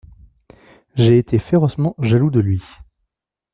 J'ai été férocement jaloux de lui.